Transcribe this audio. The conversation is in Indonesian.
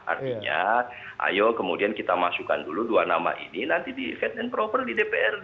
artinya ayo kemudian kita masukkan dulu dua nama ini nanti di fit and proper di dprd